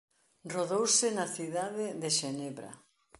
Rodouse na cidade de Xenebra.